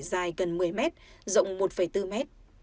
dài gần một mươi mét rộng một bốn mét